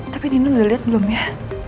tapi ini liat belum ya